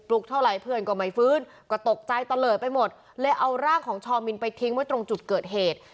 เท่าไหร่เพื่อนก็ไม่ฟื้นก็ตกใจตะเลิดไปหมดเลยเอาร่างของชอมินไปทิ้งไว้ตรงจุดเกิดเหตุ